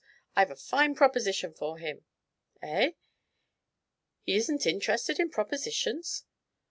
I've a fine proposition for him.... Eh? He isn't interested in propositions?